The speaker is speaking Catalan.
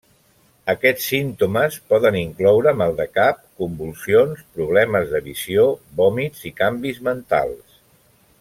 Aquests símptomes poden incloure mal de cap, convulsions, problemes de visió, vòmits i canvis mentals.